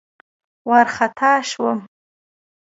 وارخطا شوم.